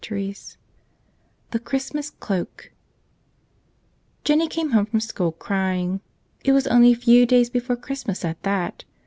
141 Cfre Christmas Cloak ENNIE came home from school crying. It was 4 only a few days before Christmas at that.